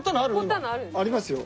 ありますよ。